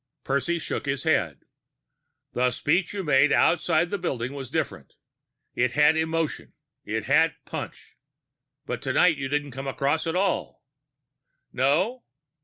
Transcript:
Percy shook his head. "The speech you made outside the building was different. It had emotion; it had punch! But tonight you didn't come across at all." "No?"